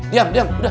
diam diam udah